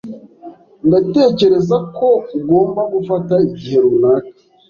Ndatekereza ko ugomba gufata igihe runaka.